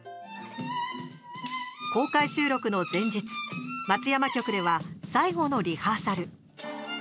公開収録の前日松山局では最後のリハーサル。